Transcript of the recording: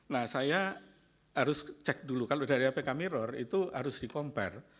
nah saya harus cek dulu kalau dari lpk mirror itu harus di compare